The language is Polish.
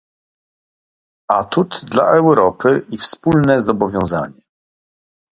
atut dla Europy i wspólne zobowiązanie"